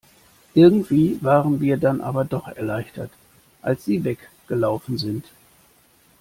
Irgendwie waren wir dann aber doch erleichtert, als sie weg gelaufen sind.